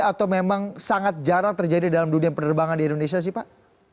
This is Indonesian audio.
atau memang sangat jarang terjadi dalam dunia penerbangan di indonesia sih pak